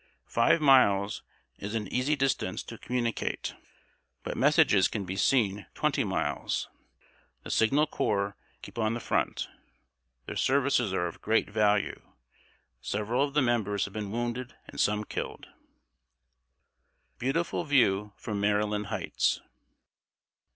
Five miles is an easy distance to communicate, but messages can be sent twenty miles. The Signal Corps keep on the front; their services are of great value. Several of the members have been wounded and some killed. [Sidenote: BEAUTIFUL VIEW FROM MARYLAND HIGHTS.